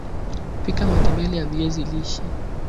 Pika matembele ya viazi lishe